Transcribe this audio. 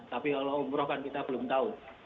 tapi kalau umroh kan kita belum tahu